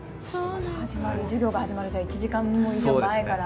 もう授業が始まるじゃあ１時間以上前から。